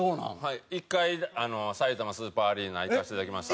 １回さいたまスーパーアリーナ行かせていただきました。